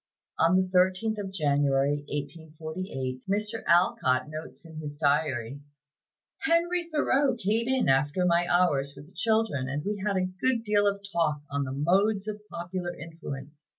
On the 13th of January, 1848, Mr. Alcott notes in his diary: "Henry Thoreau came in after my hours with the children, and we had a good deal of talk on the modes of popular influence.